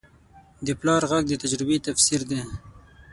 د پلار غږ د تجربې تفسیر دی